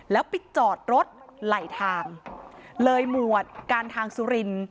แล้วไปจอดรถไหลทางเลยหมวดการทางสุริน